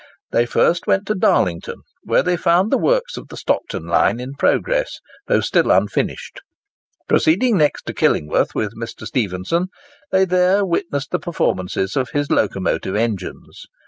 They first went to Darlington, where they found the works of the Stockton line in progress, though still unfinished. Proceeding next to Killingworth with Mr. Stephenson, they there witnessed the performances of his locomotive engines.